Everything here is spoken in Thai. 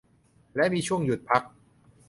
และมีช่วงหยุดพัก